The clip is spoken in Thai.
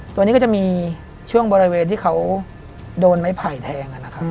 ตัวนี้ก็จะมีช่วงบริเวณที่เขาโดนไม้ไผ่แทงนะครับ